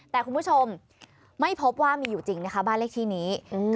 แต่คุณผู้ชมไม่พบว่ามีอยู่จริงนะคะบ้านเลขที่นี้